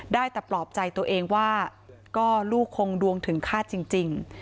ได้แต่ปลอบใจตัวเองว่าก็ลูกคงดวงถึงฆาตจริง